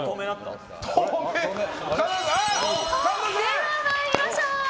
では参りましょう。